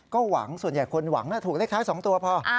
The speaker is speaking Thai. ก็หวังส่วนใหญ่คนหวังถูกเลขท้าย๒ตัวพอ